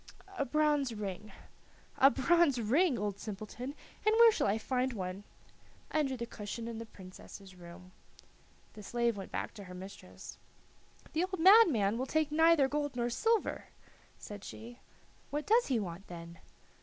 "A bronze ring." "A bronze ring, old simpleton! And where shall I find one?" "Under the cushion in the Princess's room." The slave went back to her mistress. "The old madman will take neither gold nor silver," said she. "What does he want then?"